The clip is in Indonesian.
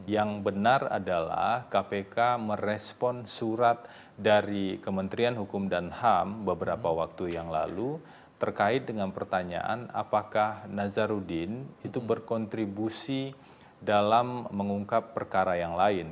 yang benar adalah kpk merespon surat dari kementerian hukum dan ham beberapa waktu yang lalu terkait dengan pertanyaan apakah nazarudin itu berkontribusi dalam mengungkap perkara yang lain